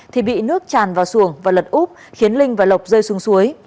thì bị nước tràn vào xuồng và lật úp khiến linh và lộc rơi xuống suối